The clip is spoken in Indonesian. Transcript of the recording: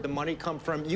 dari mana uangnya